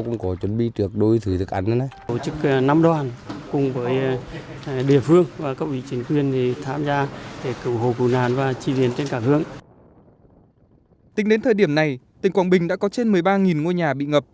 bốn mươi bảy thôn xã bản trên toàn thị trường và tỉnh quảng bình đã có trên một mươi ba ngôi nhà bị ngập